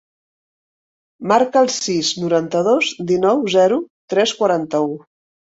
Marca el sis, noranta-dos, dinou, zero, tres, quaranta-u.